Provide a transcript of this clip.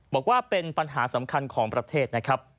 บอกว่าเป็นปัญหาสำคัญของประเทศนะครับ